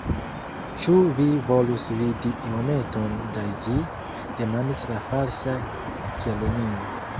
"Ĉu vi volus vidi iometon da ĝi?" demandis la Falsa Kelonio.